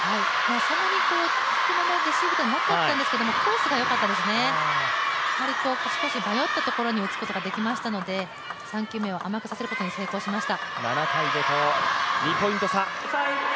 そんなに低めのレシーブではなかったんですけれども、コースがよかったですね、少し迷ったところに打つことができましたので、３球目を甘くさせることに成功しました。